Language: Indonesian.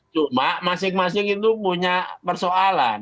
cuma masing masing itu punya persoalan